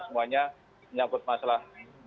semuanya menyangkut masalah